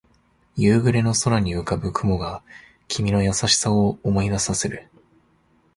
夕暮れの空に浮かぶ雲が君の優しさを思い出させる